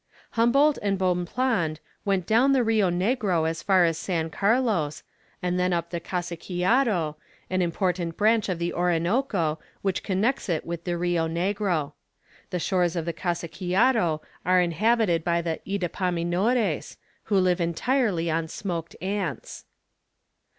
Humboldt and Bonpland went down the Rio Negro as far as San Carlos, and then up the Casiquiaro, an important branch of the Orinoco, which connects it with the Rio Negro. The shores of the Casiquiaro are inhabited by the Ydapaminores, who live entirely on smoked ants.